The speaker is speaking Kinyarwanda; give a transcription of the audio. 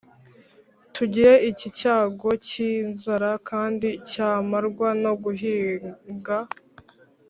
Tugire iki cyago cy'inzaraKandi cyamarwa no guhinga!